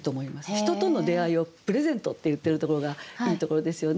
人との出いをプレゼントって言ってるところがいいところですよね。